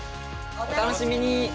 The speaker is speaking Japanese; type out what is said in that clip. お楽しみに！